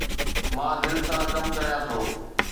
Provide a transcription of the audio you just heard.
مان دل سان ڪم ڪريان ٿو